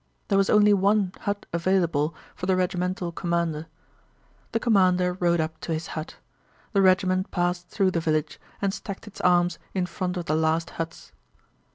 There was only one hut available for the regimental commander. The commander rode up to his hut. The regiment passed through the village and stacked its arms in front of the last huts.